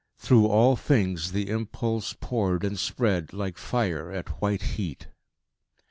Through all things the impulse poured and spread, like fire at white heat.